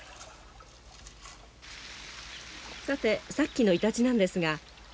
さてさっきのイタチなんですが。